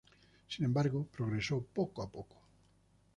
Sin embargo, progresó poco a poco.